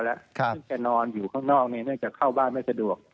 ซึ่งแกนอนอยู่ข้างนอกเนื่องจากเข้าบ้านไม่สะดวก